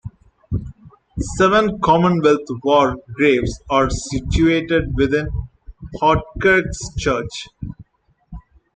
Seven Commonwealth war graves are situated within Houtkerque's church.